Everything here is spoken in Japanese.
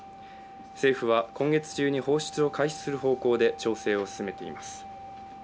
政府は今月中に放出を開始する方向で調整を進めています。